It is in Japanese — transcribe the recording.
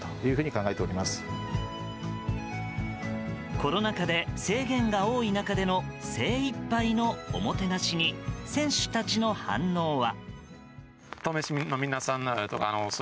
コロナ禍で制限が多い中での精いっぱいのおもてなしに選手たちの反応は。